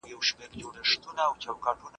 خلک کولای شي سم وليکي.